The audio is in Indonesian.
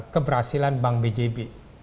keberhasilan bank bjb